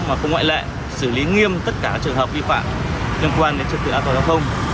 mà cũng ngoại lệ xử lý nghiêm tất cả trường hợp vi phạm liên quan đến trật tự an toàn giao thông